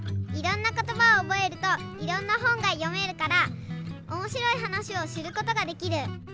いろんなことばをおぼえるといろんなほんがよめるからおもしろいはなしをしることができる。